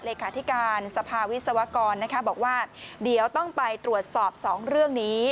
เลขาธิการสภาวิศวกรบอกว่าเดี๋ยวต้องไปตรวจสอบสองเรื่องนี้